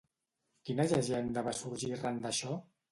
Quina llegenda va sorgir arran d'això?